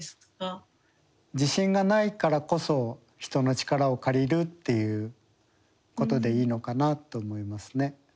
自信がないからこそ人の力を借りるっていうことでいいのかなと思いますね。